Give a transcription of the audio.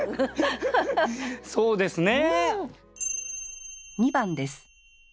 そうですね。